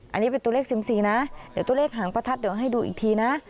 อันนี้เป็นตัวเลขซิมซีนะเดี๋ยวตัวเลขหางประทัดเดี๋ยวให้ดูอีกทีนะ